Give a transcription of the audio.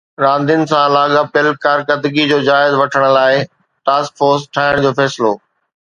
راندين سان لاڳاپيل ڪارڪردگي جو جائزو وٺڻ لاءِ ٽاسڪ فورس ٺاهڻ جو فيصلو